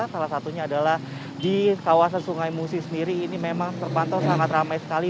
salah satunya adalah di kawasan sungai musi sendiri ini memang terpantau sangat ramai sekali